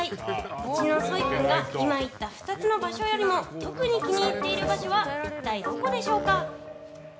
うちのソイ君が今言った２つの場所よりも特に気に入っている場所は一体どこでしょうか？